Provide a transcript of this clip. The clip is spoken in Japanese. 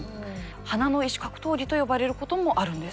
花の異種格闘技と呼ばれることもあるんです。